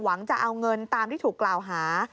หวังจะเอาเงินตามที่ถูกกล่าวหา